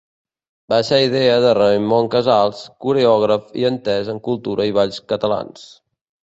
Va ser idea de Raimon Casals, coreògraf i entès en cultura i balls catalans.